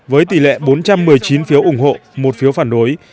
với tỷ lệ bốn trăm một mươi chín phiếu ủng hộ một phiếu phản đối